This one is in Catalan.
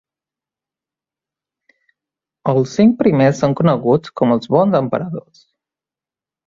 Els cinc primers són coneguts com els Bons Emperadors.